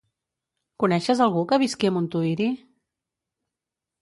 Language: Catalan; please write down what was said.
Coneixes algú que visqui a Montuïri?